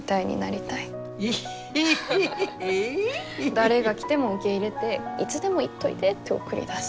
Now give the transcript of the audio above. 誰が来ても受け入れていつでも行っといでって送り出す。